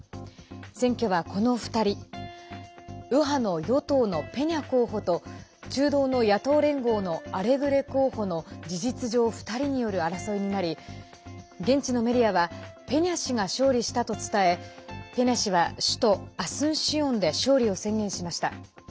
選挙は、この２人右派の与党のペニャ候補と中道の野党連合のアレグレ候補の事実上、２人による争いになり現地のメディアはペニャ氏が勝利したと伝えペニャ氏は首都アスンシオンで勝利を宣言しました。